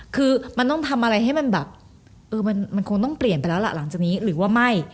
คือมันต้องทำอะไรให้มันแบบเออมันคงต้องเปลี่ยนไปแล้วล่ะหลังจากนี้หรือว่าไม่